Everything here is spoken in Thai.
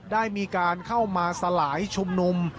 ได้มีการเข้ามาสลายชุมนุม